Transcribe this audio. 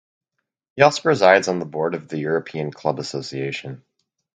He also presides on the board of the European Club Association.